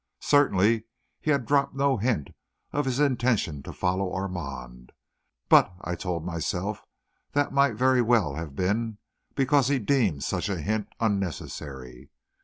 Certainly he had dropped no hint of his intention to follow Armand; but, I told myself, that might very well have been because he deemed such a hint unnecessary.